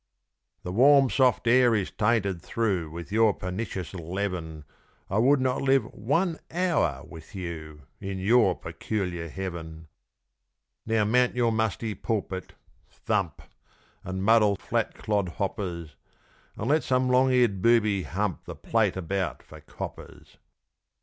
The warm, soft air is tainted through With your pernicious leaven. I would not live one hour with you In your peculiar heaven! Now mount your musty pulpit thump, And muddle flat clodhoppers; And let some long eared booby "hump" The plate about for coppers.